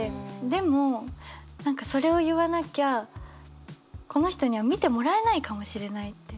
でも何かそれを言わなきゃこの人には見てもらえないかもしれないって。